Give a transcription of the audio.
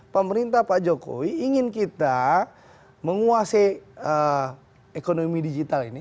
pemerintah pak jokowi ingin kita menguasai ekonomi digital ini